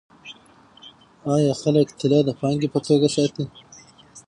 آیا خلک طلا د پانګې په توګه ساتي؟